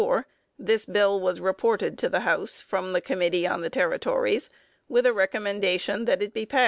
] On March 10, 1874, this bill was reported to the House from the Committee on the Territories, with a recommendation that it be passed.